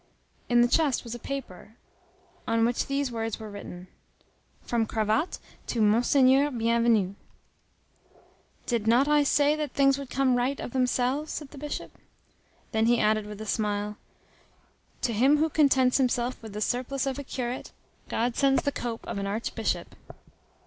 In the chest was a paper, on which these words were written, "From Cravatte to Monseigneur Bienvenu." "Did not I say that things would come right of themselves?" said the Bishop. Then he added, with a smile, "To him who contents himself with the surplice of a curate, God sends the cope of an archbishop."